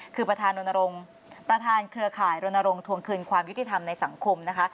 คือประธานเครือข่ายรนรงค์ทวงคืนความยุติธรรมในสังคมนะคะ